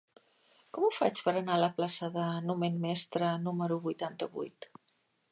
Com ho faig per anar a la plaça de Numen Mestre número vuitanta-vuit?